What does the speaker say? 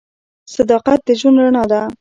صداقت د ژوند رڼا ده.